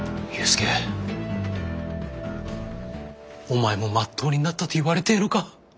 お前もまっとうになったって言われてえのか。